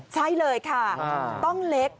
ใช่เลยค่ะต้องเล็ก